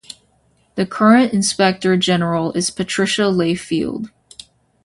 The current Inspector General is Patricia Layfield.